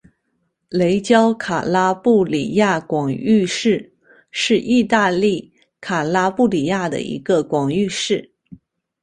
雷焦卡拉布里亚广域市是意大利卡拉布里亚的一个广域市。